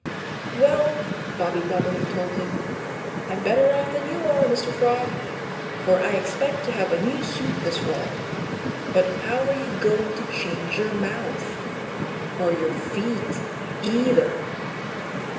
"Well," Bobby Bobolink told him, "I'm better off than you are, Mr. Frog. For I expect to have a new suit this fall. But how are you going to change your mouth or your feet, either?"